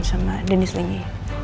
sama dennis lengi